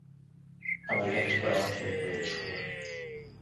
Abadde akikola wattu weekube mu kifuba.